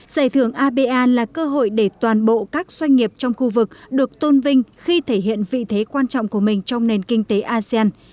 giải thưởng aba là cơ hội để toàn bộ các doanh nghiệp trong khu vực được tôn vinh khi thể hiện vị thế quan trọng của mình trong nền kinh tế asean